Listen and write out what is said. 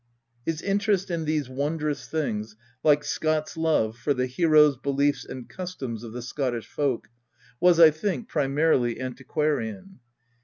His interest in these wondrous things, like Scott's love for the heroes, beliefs, and customs of the Scottish folk, was, I think, primarily antiquarian.